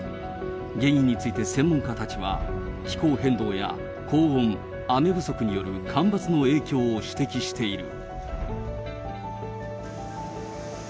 原因について専門家たちは、気候変動や高温、雨不足による干ばつの影響を指摘している。